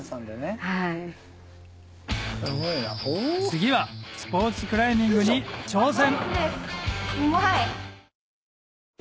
次はスポーツクライミングに挑戦！